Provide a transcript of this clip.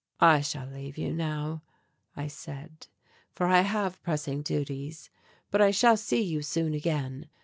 "I shall leave you now," I said, "for I have pressing duties, but I shall see you soon again.